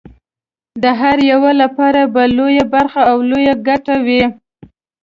د هر یوه لپاره به لویه برخه او لویه ګټه وي.